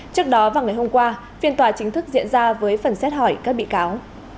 trước đó vào ngày hôm qua phiên tòa chính thức diễn ra với phần xét hỏi các bị cáo